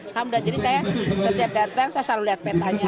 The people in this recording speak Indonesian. alhamdulillah jadi saya setiap datang saya selalu lihat petanya